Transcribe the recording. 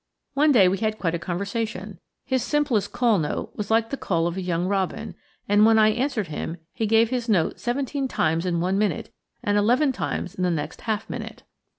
One day we had quite a conversation. His simplest call note was like the call of a young robin, and while I answered him he gave his note seventeen times in one minute, and eleven times in the next half minute.